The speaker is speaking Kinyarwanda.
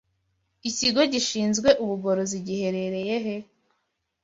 Ikigo Gishinzwe Ubugorozi giherereye he